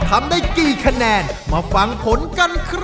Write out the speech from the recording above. และคะแนนของน้องอัปเดตคือ